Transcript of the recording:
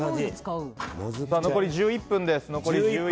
残り１１分です。